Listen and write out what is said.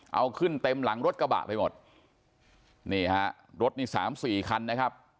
เอาขึ้นเต็มหลังรถกระบะไปหมดนี่ฮะรถนี่สามสี่คันนะครับ